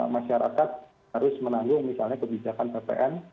masyarakat harus menanggung misalnya kebijakan ppn